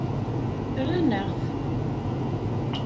Rran-aɣ-tt.